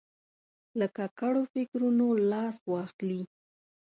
له ککړو فکرونو لاس واخلي.